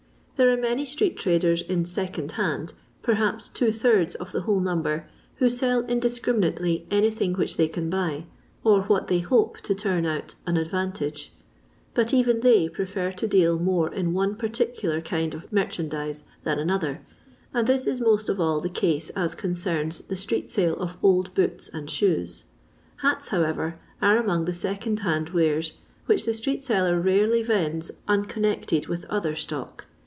There are many street traders " in second hand," perhaps two thirds of the whole number, who sell indiscriminately anything which they can buy, or what they hope to turn out an advantage ; but even they prefer to deal more in one particular kind of merchandize than another, and this is most of all the case as concerns the street sale of old boots and shoes. Hats, how ever, are among the second hand wares which the street seller rarely vends unconnected with other stock.